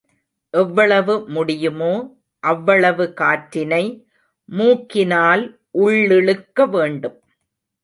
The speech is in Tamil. எவ்வளவு முடியுமோ அவ்வளவு காற்றினை மூக்கினால் உள்ளிழுக்க வேண்டும்.